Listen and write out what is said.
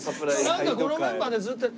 なんかこのメンバーでずっと。